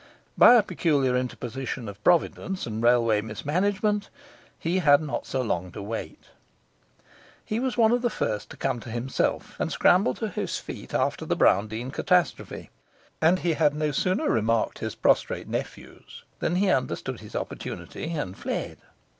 By a peculiar interposition of Providence and railway mismanagement he had not so long to wait. He was one of the first to come to himself and scramble to his feet after the Browndean catastrophe, and he had no sooner remarked his prostrate nephews than he understood his opportunity and fled.